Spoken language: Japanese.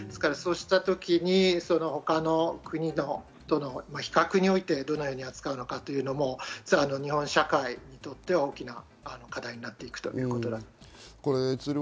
そうしたとき、他の国の比較においてどのように扱うのかというのも日本社会にとっては大きな課題になっていくということだと。